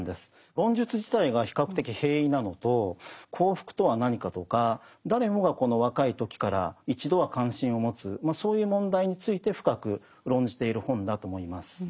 論述自体が比較的平易なのと幸福とは何かとか誰もが若い時から一度は関心を持つそういう問題について深く論じている本だと思います。